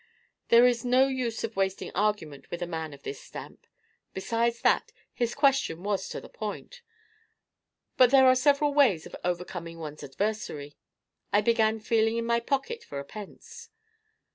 There is no use of wasting argument with a man of this stamp; besides that, his question was to the point. But there are several ways of overcoming one's adversary: I began feeling in my pocket for pence.